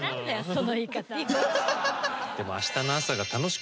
その言い方。